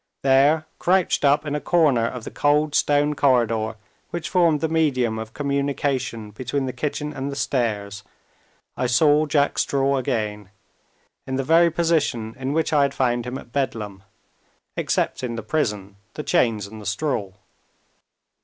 There, crouched up in a corner of the cold stone corridor which formed the medium of communication between the kitchen and the stairs, I saw Jack Straw again in the very position in which I had found him at Bedlam; excepting the prison, the chains, and the straw.